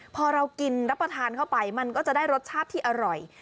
พอเรากินรับประทานเข้าไปมันก็จะได้รสชาติที่อร่อย